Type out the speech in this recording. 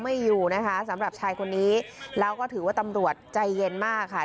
อยู่นะคะสำหรับชายคนนี้แล้วก็ถือว่าตำรวจใจเย็นมากค่ะ